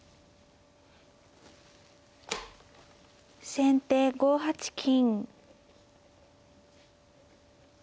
先手５八金。